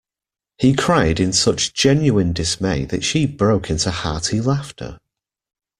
He cried in such genuine dismay that she broke into hearty laughter.